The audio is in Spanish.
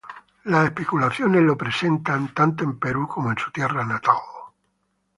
Las especulaciones lo presentan tanto en Perú como en su tierra natal.